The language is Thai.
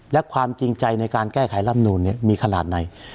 และความจริงใจในการแก้ไขลำนูนมีขนาดไหน